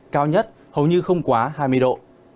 cao nhất hầu như không quá hai mươi độ